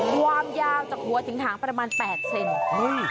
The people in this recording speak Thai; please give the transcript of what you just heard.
รวามยาวจากหัวถึงหางประมาณ๘เซนติเซนติเซน